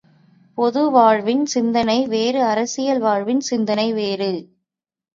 பொதுவாழ்வின் சிந்தனை வேறு அரசியல் வாழ்வின் சிந்தனை வேறு.